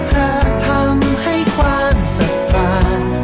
ถ้าเพราะเธอทำให้ความสะการ